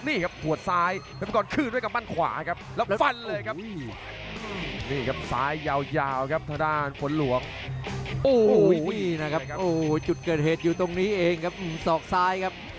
นี่ครับถวดซ้ายเพชรมังกรคืนด้วยกับบ้านขวาครับ